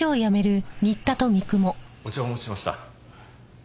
お茶をお持ちしました。